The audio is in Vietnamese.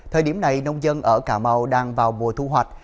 thời điểm này nông dân ở cà mau đang vào mùa thu hoạch